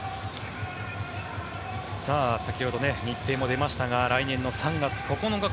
先ほど、日程も出ましたが来年の３月９日